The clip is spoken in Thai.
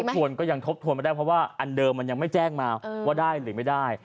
ทวนก็ยังทบทวนไม่ได้เพราะว่าอันเดิมมันยังไม่แจ้งมาว่าได้หรือไม่ได้